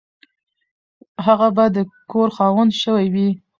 هغه به د کور خاوند شوی وي.